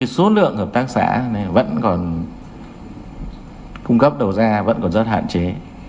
số lượng hợp tác xã này vẫn còn cung cấp đầu ra vẫn còn rất hạn chế